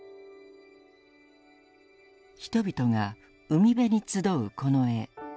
人々が海辺に集うこの絵。